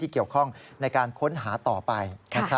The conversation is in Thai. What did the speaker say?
เกี่ยวข้องในการค้นหาต่อไป